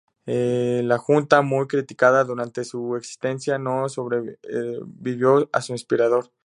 La Junta, muy criticada durante su existencia, no sobrevivió a su inspirador.